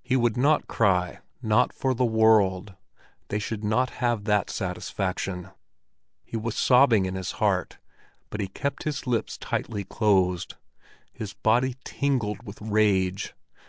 He would not cry—not for the world; they should not have that satisfaction. He was sobbing in his heart, but he kept his lips tightly closed. His body tingled with rage.